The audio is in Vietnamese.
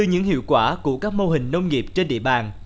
những hiệu quả của các mô hình nông nghiệp trên địa bàn